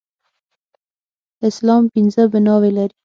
اسلام پينځه بلاوي لري.